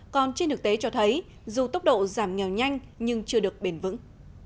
còn trên thực tế cho thấy dù tốc độ giảm nghèo nhanh nhưng chưa được bền vững